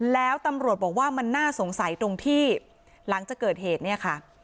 แล้วตำรวจบอกว่ามันน่าสงสัยตรงที่หลังจากเกิดเหตุเนี่ยค่ะ